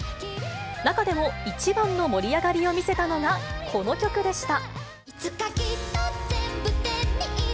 中でも一番の盛り上がりを見せたのがこの曲でした。